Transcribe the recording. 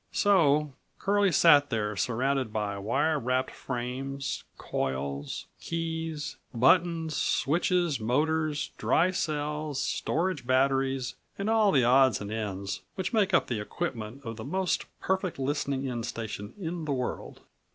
So Curlie sat there surrounded by wire wrapped frames, coils, keys, buttons, switches, motors, dry cells, storage batteries and all the odds and ends which made up the equipment of the most perfect listening in station in the world.